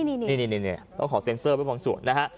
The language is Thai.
นี่ต้องขอเซ็นเซอร์ไว้บางส่วนนะฮะ